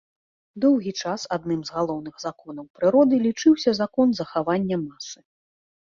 Доўгі час адным з галоўных законаў прыроды лічыўся закон захавання масы.